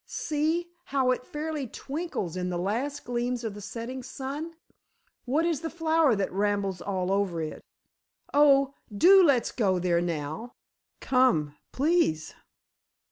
See, how it fairly twinkles in the last gleams of the setting sun! What is the flower that rambles all over it? Oh, do let's go there now! Come, please!"